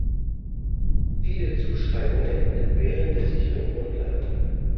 Viele Zuschreibungen entbehren der sicheren Grundlage.